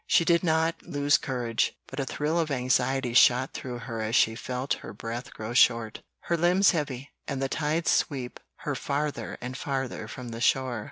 She did not lose courage, but a thrill of anxiety shot through her as she felt her breath grow short, her limbs heavy, and the tide sweep her farther and farther from the shore.